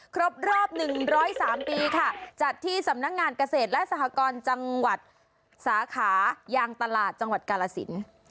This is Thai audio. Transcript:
ครบรอบ๑๐๓ปีค่ะจัดที่สำนักงานเกษตรและสหกรจังหวัดสาขายางตลาดจังหวัดกาลสิน